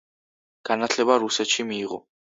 განათლება რუსეთში მიიღო.